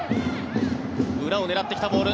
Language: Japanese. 裏を狙ってきたボール